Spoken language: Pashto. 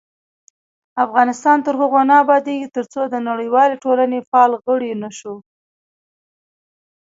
افغانستان تر هغو نه ابادیږي، ترڅو د نړیوالې ټولنې فعال غړي نشو.